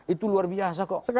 itu luar biasa kok